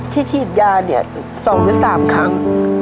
ที่ฉีดยาเนี่ย๒หรือ๓ครั้ง